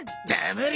黙れ。